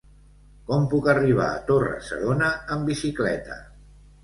Com puc arribar a Torre-serona amb bicicleta?